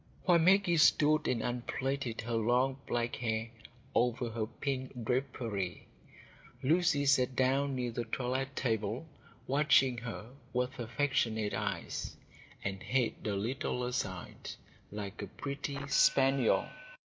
While Maggie stood and unplaited her long black hair over her pink drapery, Lucy sat down near the toilette table, watching her with affectionate eyes, and head a little aside, like a pretty spaniel.